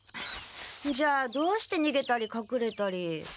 じゃあどうしてにげたりかくれたり。